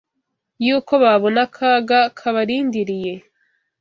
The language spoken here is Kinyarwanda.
y’uko babona akaga kabarindiriye.